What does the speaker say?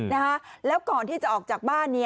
นะคะแล้วก่อนที่จะออกจากบ้าน